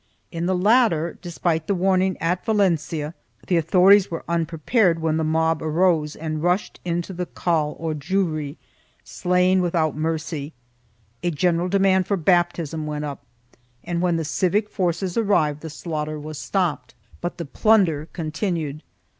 In the latter, despite the warning at Valencia, the authorities were unprepared when the mob arose and rushed into the call or Jewry, slaying without mercy. A general demand for baptism went up and, when the civic forces arrived the slaughter was stopped, but the plunder continued.